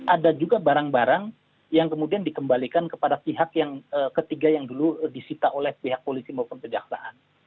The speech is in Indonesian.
ada juga barang barang yang kemudian dikembalikan kepada pihak yang ketiga yang dulu disita oleh pihak polisi maupun kejaksaan